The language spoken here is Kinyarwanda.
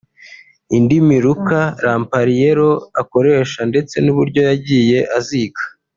Indimi Luca Lampariello akoresha ndetse n’uburyo yagiye aziga